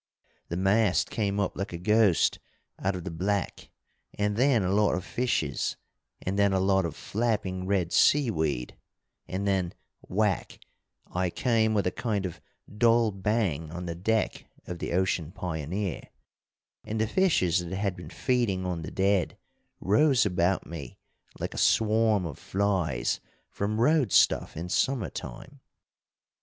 "The mast came up like a ghost out of the black, and then a lot of fishes, and then a lot of flapping red seaweed, and then whack I came with a kind of dull bang on the deck of the Ocean Pioneer, and the fishes that had been feeding on the dead rose about me like a swarm of flies from road stuff in summer time.